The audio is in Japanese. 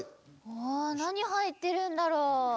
あなにはいってるんだろう？